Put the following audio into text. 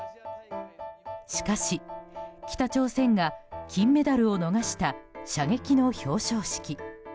しかし北朝鮮が金メダルを逃した射撃の表彰式。